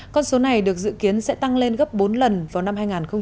con số này được dự kiến sẽ tăng lên gấp bốn lần vào năm hai nghìn hai mươi